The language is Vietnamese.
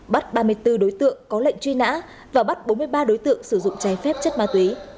bắt ba mươi bốn đối tượng có lệnh truy nã và bắt bốn mươi ba đối tượng sử dụng trái phép chất ma túy